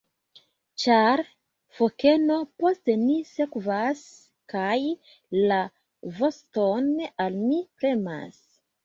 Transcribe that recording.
Ĉar fokeno post ni sekvas, kaj la voston al mi premas!